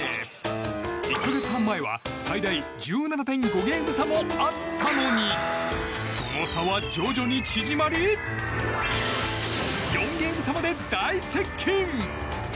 １か月半前は最大１７．５ゲーム差もあったのにその差は徐々に縮まり４ゲーム差まで大接近！